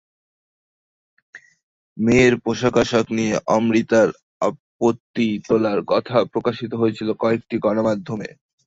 মেয়ের পোশাক-আশাক নিয়ে অমৃতার আপত্তি তোলার কথাও প্রকাশিত হয়েছিল কয়েকটি গণমাধ্যমে।